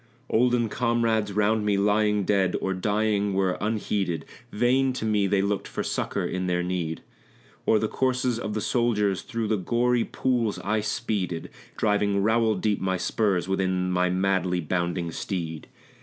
Olden comrades round me lying dead or dying were unheeded; Vain to me they looked for succor in their need. O'er the corses of the soldiers, through the gory pools I speeded, Driving rowel deep my spurs within my madly bounding steed.